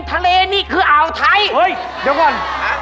ทะเลนี่คืออาวทัยเดี๋ยวก่อน